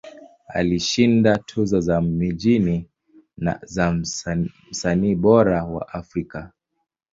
Alishinda tuzo za mijini za Msanii Bora wa Afrika.